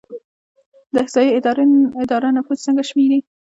د احصایې اداره نفوس څنګه شمیري؟